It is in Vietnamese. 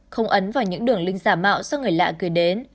không ấn vào những đường link giả mạo do người lạ gửi đến